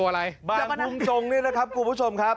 บ่างพุงมงนี่ครับคุณผู้ชมครับ